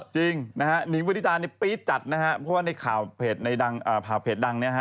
จริงนะฮะหนิงบริษัทในปรี๊ดจัดนะฮะเพราะว่าในข่าวเพจดังเนี่ย